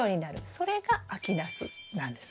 それが秋ナスなんです。